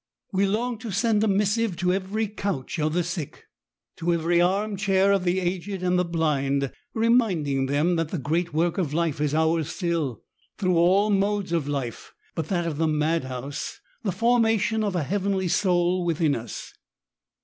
We long 162 ESSAYS. to send a missive to every couch of the sick, to every arm chair of the aged and the blind, reminding them that the great work of life is ours still, — through all modes of life but that of the madhouse, — ^the formation of a heavenly soul within us.